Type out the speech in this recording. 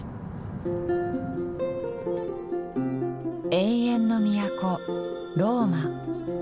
永遠の都ローマ。